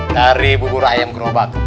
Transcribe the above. dari bubur ayam gerobak